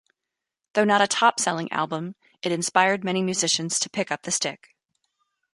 Though not a top-selling album, it inspired many musicians to pick up the Stick.